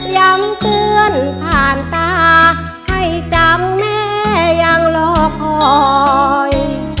ย้ำเตือนผ่านตาให้จำแม่ยังรอคอย